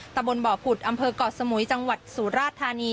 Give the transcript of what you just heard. ตะบนบ่อผุดอำเภอกเกาะสมุยจังหวัดสุราธานี